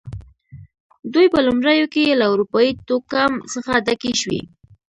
دوی په لومړیو کې له اروپايي توکم څخه ډکې شوې.